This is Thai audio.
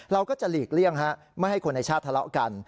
เราก็จะหลีกเลี่ยงไม่ให้คนในชาติทะเลาะกัน